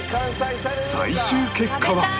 最終結果は